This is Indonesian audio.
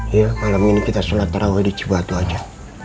ya malam ini kita sholat taraweh di cibatu aja